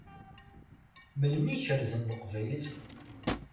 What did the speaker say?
Melmi i kerrzen Leqbayel?